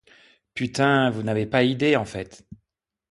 Putain vous avez pas idée, en fait.